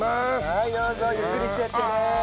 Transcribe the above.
はいどうぞゆっくりしていってね。